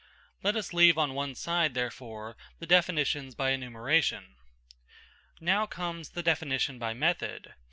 Let us leave on one side, therefore, the definitions by enumeration. Now comes the definition by method.